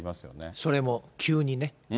それも急にね。